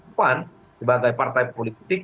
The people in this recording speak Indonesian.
kemudian sebagai partai politik